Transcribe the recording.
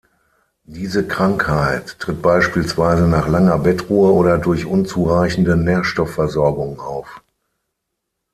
Diese Krankheit tritt beispielsweise nach langer Bettruhe oder durch unzureichende Nährstoffversorgung auf.